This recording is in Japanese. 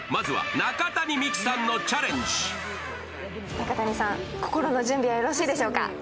中谷さん、心の準備はよろしいでしょうか。